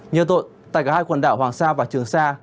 như tội tại cả hai quần đảo hoàng sa và trường sa